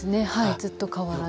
ずっと変わらず。